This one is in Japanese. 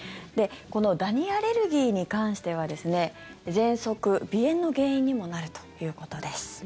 このダニアレルギーに関してはぜんそく、鼻炎の原因にもなるということです。